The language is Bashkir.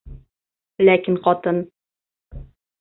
Ләкин ҡатын: